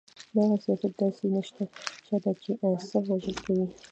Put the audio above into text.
دغه سياست داسې نيشه ده چې صرف وژل کوي.